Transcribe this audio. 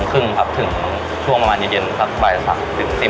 มีขอเสนออยากให้แม่หน่อยอ่อนสิทธิ์การเลี้ยงดู